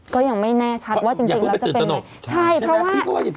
ก็ยังไม่แน่ชัดว่าจริงแล้วจะเป็นไงใช่เพราะว่าอย่าเพิ่งไปตื่นตนก